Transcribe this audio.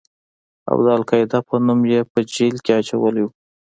او د القاعده په نوم يې په جېل کښې اچولى و.